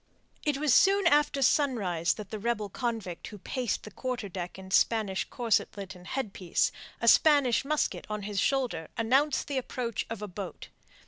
It was soon after sunrise that the rebel convict who paced the quarter deck in Spanish corselet and headpiece, a Spanish musket on his shoulder, announced the approach of a boat.